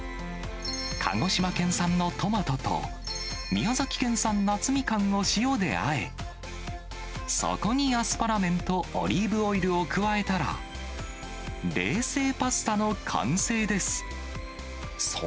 鹿児島県産のトマトと、宮崎県産夏みかんを塩であえ、そこにアスパラ麺とオリーブオイルを加えたら、冷製パスタの完成です。